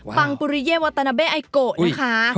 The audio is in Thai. ฟังปุริเยวัตนาเบไอโกะแล้วค่ะ